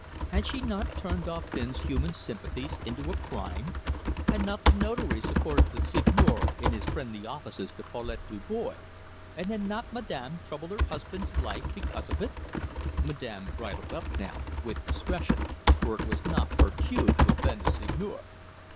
Had she not turned Dauphin's human sympathies into a crime? Had not the Notary supported the Seigneur in his friendly offices to Paulette Dubois; and had not Madame troubled her husband's life because of it? Madame bridled up now with discretion, for it was not her cue to offend the Seigneur.